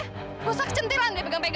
nggak usah kecentilan dia pegang pegang